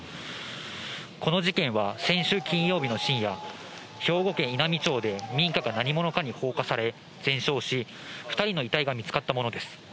この事件は先週金曜日の深夜、兵庫県稲美町で民家が何者かに放火され、全焼し、２人の遺体が見つかったものです。